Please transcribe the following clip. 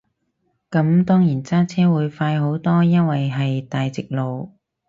咁當然揸車會快好多，因為係大直路